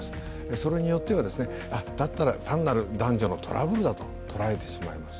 それによっては、だったら単なる男女のトラブルだと捉えてしまいます。